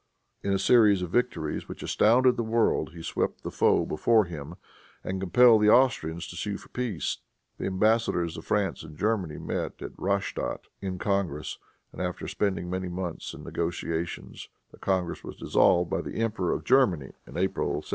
In a series of victories which astounded the world he swept the foe before him, and compelled the Austrians to sue for peace. The embassadors of France and Germany met at Rastadt, in congress, and after spending many months in negotiations, the congress was dissolved by the Emperor of Germany, in April, 1799.